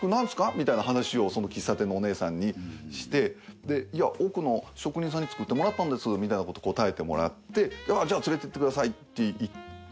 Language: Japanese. みたいな話をその喫茶店のお姉さんにしていや奥の職人さんに作ってもらったんですみたいなこと答えてもらってじゃあ連れていってくださいって行った。